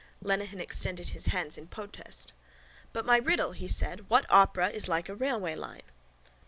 Lenehan extended his hands in protest. —But my riddle! he said. What opera is like a railwayline?